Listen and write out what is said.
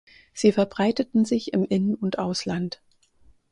Sie verbreiteten sich im In- und Ausland.